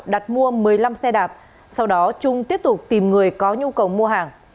đặt mua một mươi năm xe đạp sau đó trung tiếp tục tìm người có nhu cầu mua hàng